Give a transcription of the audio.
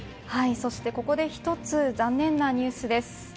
そしてここで一つ残念なニュースです。